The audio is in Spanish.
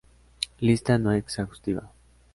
Lista no exhaustiva.